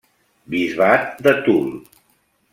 Bisbat de Toul.